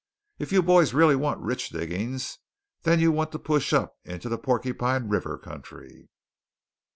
If you boys reely wants rich diggings, then you want to push up into the Porcupine River country."